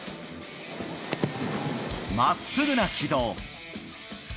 まっすぐな軌道。